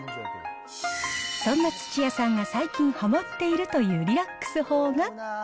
そんな土屋さんが最近はまっているというリラックス法が。